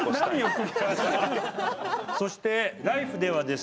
そして「ＬＩＦＥ！」ではですね